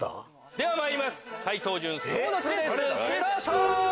ではまいります解答順争奪レーススタート！